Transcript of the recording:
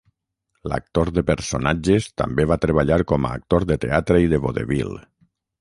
L'actor de personatges també va treballar com a actor de teatre i de vodevil.